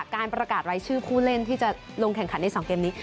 การประกาศรายชื่อผู้เล่นที่จะลงแข่งขันใน๒เกมนี้